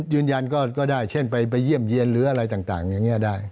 ยืนยันก็ได้เช่นไปเยี่ยมเยี่ยนหรืออะไรต่างอย่างนี้ได้